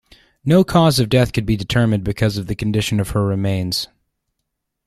No cause of death could be determined because of the condition of her remains.